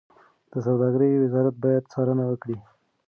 د سوداګرۍ وزارت باید څارنه وکړي.